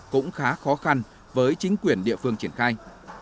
cũng khá khó khăn với chính quyền địa phương triển khai